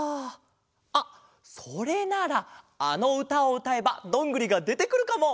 あっそれならあのうたをうたえばどんぐりがでてくるかも。